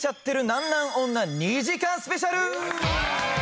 なんなん女２時間スペシャル。